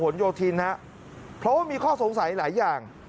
หลวงหวนโยทีนเนอะเพราะว่ามีข้อสงสัยหลายอย่าง